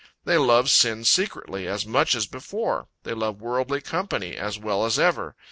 They love sin secretly, as much as before. They love worldly company as well as ever.